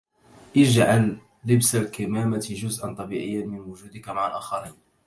اجعل لبس الكمامة جزءاً طبيعياً من وجودك مع الآخرين